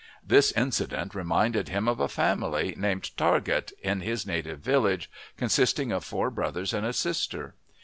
This incident reminded him of a family, named Targett, in his native village, consisting of four brothers and a sister.